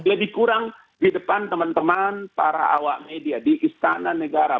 lebih kurang di depan teman teman para awak media di istana negara